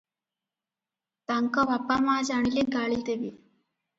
ତାଙ୍କ ବାପା ମା ଜାଣିଲେ ଗାଳି ଦେବେ ।